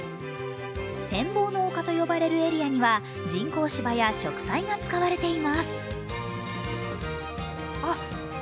てんぼうの丘と呼ばれるエリアには人工芝や植栽が使われています。